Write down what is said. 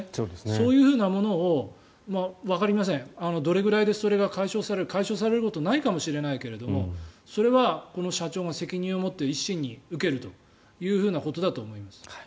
そういうふうなものをわかりません、どれぐらいで解消される解消されることはないかもしれないけれどもそれはこの社長が責任を持って一身に受けるということだと思います。